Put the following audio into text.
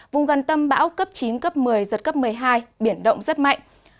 vùng gần tâm bão cấp chín cấp một mươi giật cấp một mươi hai biển động rất mạnh